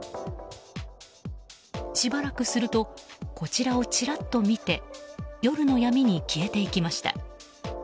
しばらくするとこちらをちらっと見て夜の闇に消えていきました。